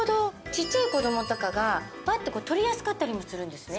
ちっちゃい子どもとかがパッと取りやすかったりもするんですね。